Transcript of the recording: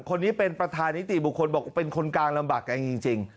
คนนี้เป็นประธานิติบุคคลบอกเป็นคนกลางลำบากกันจริง